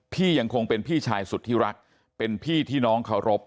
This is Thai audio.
พี่ยังคงเป็นพี่ชายสุดที่รักเป็นพี่ที่น้องเคารพ